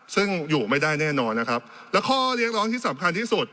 ซึ่งอยู่ไม่ได้แน่นอนนะครับและข้อเรียกร้องที่สำคัญที่สุด